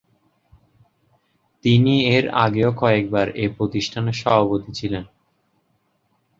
তিনি এর আগেও কয়েকবার এ প্রতিষ্ঠানের সভাপতি ছিলেন।